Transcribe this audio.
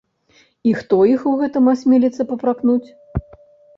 І хто іх у гэтым асмеліцца папракнуць?